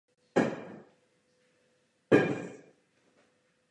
Jeho vedoucím byl Norman Foster Ramsey.